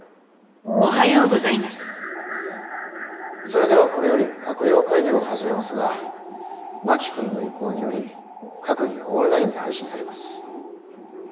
それではこれより閣僚会議を始めますが真木君の意向により閣議はオンラインで配信されます。